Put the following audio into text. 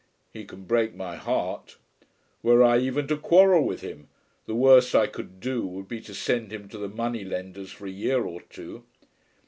He can break my heart. Were I even to quarrel with him, the worst I could do would be to send him to the money lenders for a year or two."